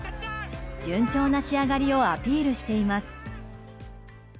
順調な仕上がりをアピールしています。